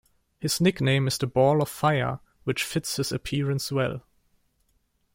His nickname is the "Ball of fire", which fits his appearance well.